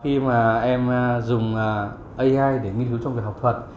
khi mà em dùng ai để nghiên cứu trong việc học thuật